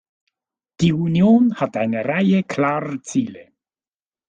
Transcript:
Die Union hat eine Reihe klarer Ziele.